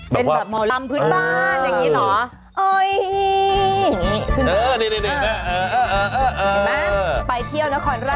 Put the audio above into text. แบบอ่ะ